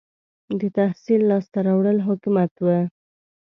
• د تحصیل لاسته راوړل حکمت و.